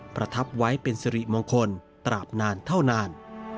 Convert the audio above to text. ประทับไว้เป็นสิริมงคลตราบนานเท่านาน